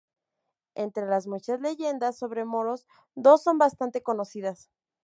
Entre las muchas leyendas sobre moros dos son bastante conocidas.